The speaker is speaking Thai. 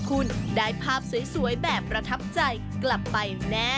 โปรดติดตามตอนต่อไป